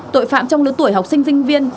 tội phạm trong lứa tuổi học sinh sinh viên